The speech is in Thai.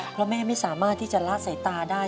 เพราะแม่ไม่สามารถที่จะละสายตาได้